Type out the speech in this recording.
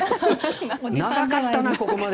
長かったな、ここまで。